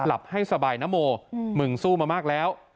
หลับให้สบายนะโมมึงสู้มามากแล้ว